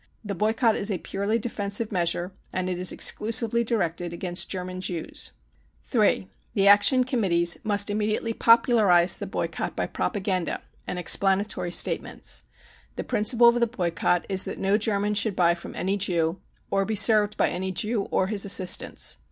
The boycott is a purely defensive measure, and it is exclu sively directed against German Jews. (3) The Action Committees must immediately popularise the boycott by propaganda and explanatory statements. The principle of the boycott is that no German should buy from any Jew or be served by any Jew or his assistants.